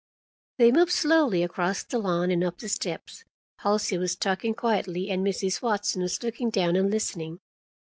They moved slowly across the lawn and up the steps. Halsey was talking quietly, and Mrs. Watson was looking down and listening.